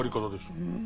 うん。